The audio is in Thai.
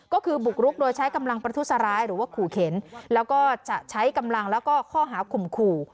ก็คือบุกรุกโดยใช้กำลังประทุษร้ายหรือว่าขู่เข็นแล้วก็จะใช้กำลังแล้วก็ข้อหาข่มขู่